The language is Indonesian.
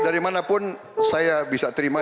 dari manapun saya bisa terima